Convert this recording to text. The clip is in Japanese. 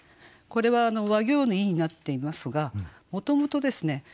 これはわ行の「ゐ」になっていますがもともとですね